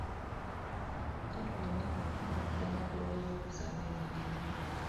Kyatwala emyaka kkumi okuddamu okulowoza ku kuzzaawo emirembe